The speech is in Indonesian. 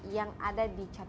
yang ada di kabel